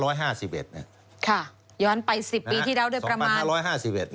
ย้อนไป๑๐ปีที่แล้วได้ประมาณ